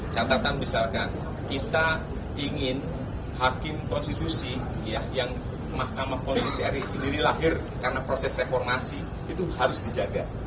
catatan misalkan kita ingin hakim konstitusi yang mahkamah konstitusi ri sendiri lahir karena proses reformasi itu harus dijaga